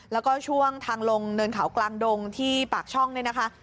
แล้วก็ช่วงทางลงเนินเขากลางดงที่ปากช่องเนี่ยนะคะ